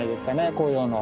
紅葉の。